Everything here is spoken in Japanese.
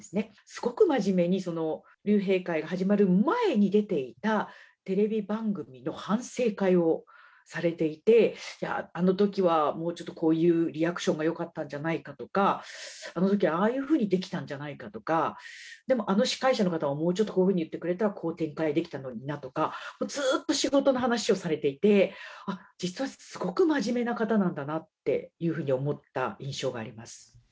すごく真面目に、竜兵会が始まる前に出ていたテレビ番組の反省会をされていて、あのときはもうちょっとこういうリアクションがよかったんじゃないかとか、あのときはああいうふうにできたんじゃないかとか、でも、あの司会者の方はこういうふうに言ってくれたら、こういうふうに展開できたのになとか、ずーっと仕事の話をされていて、あっ、実はすごく真面目な方なんだなっていうふうに思った印象があります。